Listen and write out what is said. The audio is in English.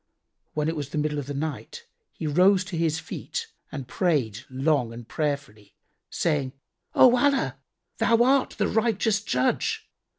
When it was the middle of the night, he rose to his feet and prayed long and prayerfully, saying, "O Allah, Thou art the Righteous Judge.